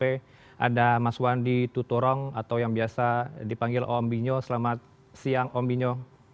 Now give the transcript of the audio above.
ada mas wandi tutorong atau yang biasa dipanggil om binyo selamat siang om binyo